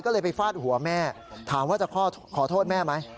ก็เลยไปฟาดหัวแม่ถามว่าจะขอโทษแม่ไหม